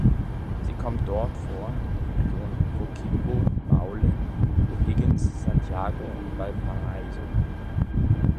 Sie kommt dort vor in den Regionen Coquimbo, Maule, O'Higgins, Santiago und Valparaiso.